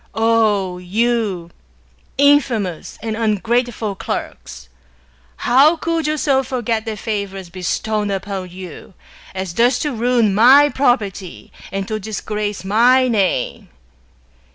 ... O you infamous and ungrateftil clerks ! how could you so forget the favours be stowed upon you, as thus to ruin my property, and to disgrace my name?